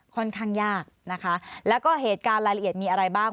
ค่อนข้างยากนะคะแล้วก็เหตุการณ์รายละเอียดมีอะไรบ้าง